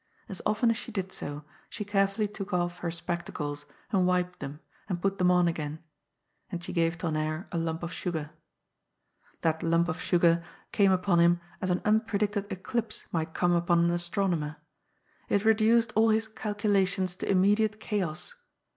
As often as she did so, she carefully took off her spectacles, and wiped them, and put them on again. And she gave Tonnerre a lump of sugar. That « THUNDER " STOBMa 61 lump of Biigar came upon him as an nnpredicted eclipee might come upon an astronomer. It reduced all his cal culations to immediate chaos.